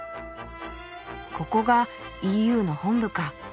ここがＥＵの本部か。